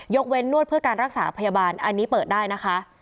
เว้นนวดเพื่อการรักษาพยาบาลอันนี้เปิดได้นะคะ